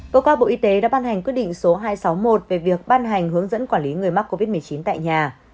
cơ quan bộ y tế đã ban hành quyết định số hai trăm sáu mươi một về việc ban hành hướng dẫn quản lý người mắc covid một mươi chín tại nhà